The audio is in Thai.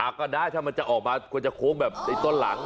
ก็ได้ถ้ามันจะออกมาควรจะโค้งแบบไอ้ต้นหลัง